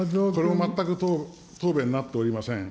全く答弁になっておりません。